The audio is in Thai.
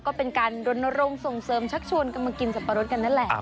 ก็เป็นการรณรงค์ส่งเสริมชักชวนกันมากินสับปะรดกันนั่นแหละ